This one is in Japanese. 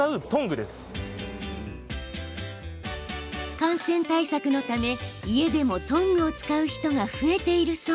感染対策のため家でもトングを使う人が増えているそう。